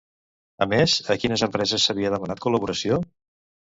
A més, a quines empreses s'havia demanat col·laboració?